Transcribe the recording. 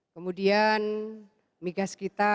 kemudian migas kita